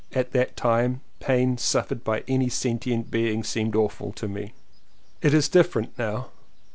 At that time pain suffered by any sentient being seemed awful to me. It is different now.